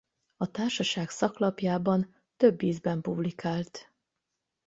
A társaság szaklapjában több ízben publikált.